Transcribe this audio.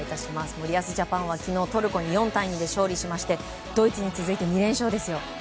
森保ジャパンは昨日トルコに４対２で勝利しましてドイツに続いて２連勝です。